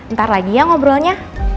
ntar lagi ya ngobrolnya